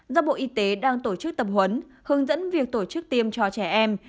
do bộ y tế đang tổ chức tập huấn hướng dẫn việc tổ chức tiêm cho trẻ em